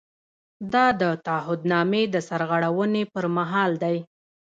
دا د تعهد نامې د سرغړونې پر مهال دی.